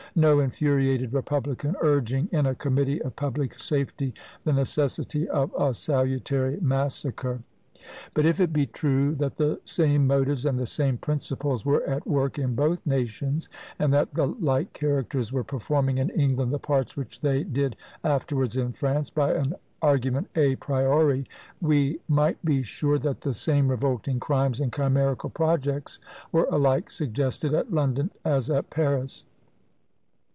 no infuriated republican urging, in a committee of public safety, the necessity of a salutary massacre! But if it be true that the same motives and the same principles were at work in both nations, and that the like characters were performing in England the parts which they did afterwards in France, by an argument à priori we might be sure that the same revolting crimes and chimerical projects were alike suggested at London as at Paris.